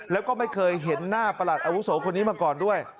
แล้วก็ไม่เคยเห็นหน้าประหลัดอาวุโสคนนี้มาก่อนด้วย